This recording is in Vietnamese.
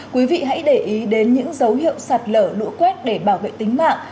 quý vị hãy để ý đến những dấu hiệu sạt lở lũ quét để bảo vệ tính mạng